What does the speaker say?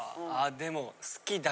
でも。